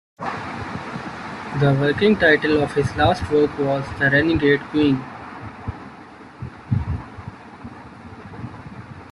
The working title of his last work was "The Renegade Queen".